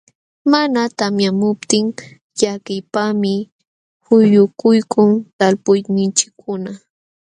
Mana tamyamuptin llakiypaqmi quyukuykun talpuyninchikkuna.